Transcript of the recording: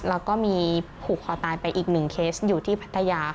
แล้วก็มีผูกคอตายไปอีกหนึ่งเคสอยู่ที่พัทยา